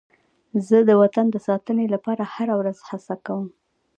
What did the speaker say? زه د وطن د ساتنې لپاره هره ورځ هڅه کوم.